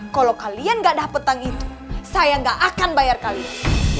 kalau kalian gak dapet tang itu saya gak akan bayar kalian